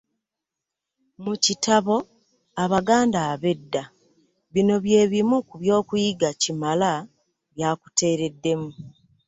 Mu kitabo Abaganda Ab’Edda bino bye bimu ku byokuyiga Kimala by’atuteereddemu.